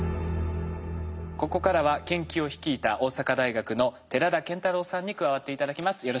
ここからは研究を率いた大阪大学の寺田健太郎さんに加わって頂きます。